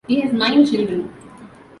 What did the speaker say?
He has nine children.